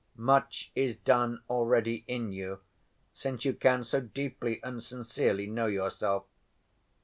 Much is done already in you since you can so deeply and sincerely know yourself.